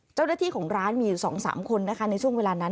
เจ้าหน้าที่ของร้านมีอยู่๒๓คนนะคะในช่วงเวลานั้น